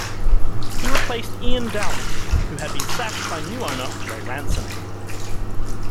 He replaced Iain Dowie, who had been sacked by new owner Ray Ranson.